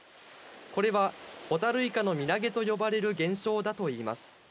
これはホタルイカの身投げと呼ばれる現象だといいます。